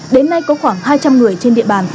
đến nay có khoảng hai trăm linh người trên địa bàn